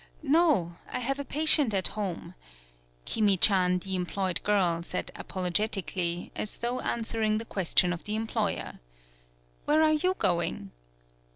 "No. I have a patient at home," Kimi chan, the employed girl, said apologetically, as though answering the question of the employer. "Where are you going?"